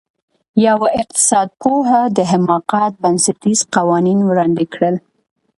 یوه اقتصادپوه د حماقت بنسټیز قوانین وړاندې کړل.